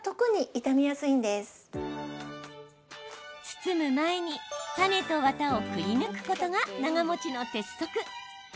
包む前に種と、わたをくり抜くことが長もちの鉄則。